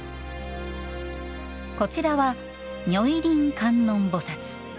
こちらは如意輪観音菩薩。